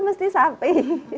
saya mesti sapi